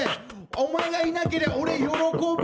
お前がいなければ俺喜ぶ。